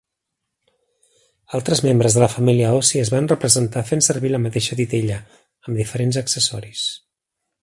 Altres membres de la família Ossie es van representar fent servir la mateixa titella, amb diferents accessoris.